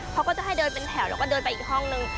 เขาก็จะให้เดินเป็นแถวแล้วก็เดินไปอีกห้องนึง